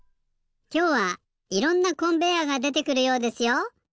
きょうはいろんなコンベヤーがでてくるようですよ。